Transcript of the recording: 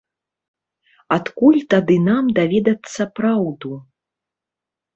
Адкуль тады нам даведацца праўду?